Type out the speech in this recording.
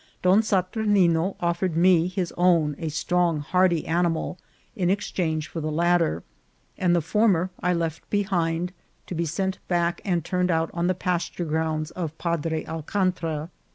Don Saturnine offered me his own, a strong, hardy animal, in exchange for the latter, and the former I left behind, to be sent back and turned out on the pasture grounds of Padre Alcantra.